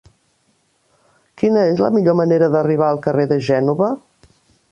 Quina és la millor manera d'arribar al carrer de Gènova?